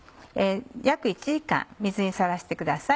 約１時間水にさらしてください。